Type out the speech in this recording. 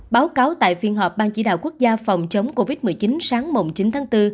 báo cáo tại phiên họp ban chỉ đạo quốc gia phòng chống covid một mươi chín sáng mùng chín tháng bốn